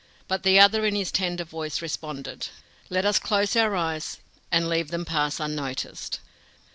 But the other in his tender voice responded: "Let us close our eyes, and leave them pass unnoticed."